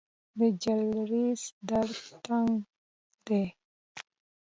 د جلریز دره تنګه ده